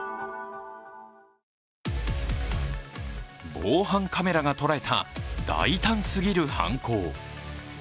防犯カメラが捉えた大胆過ぎる犯行。